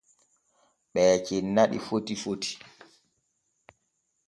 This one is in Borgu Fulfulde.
Ɓe cenna ɗi foti foti.